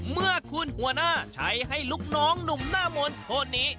เมื่อคุณหัวหน้าใช้ให้ลูกน้องหนุ่มหน้ามนต์คนนี้